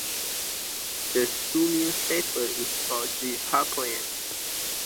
The school newspaper is called "De Harpoen".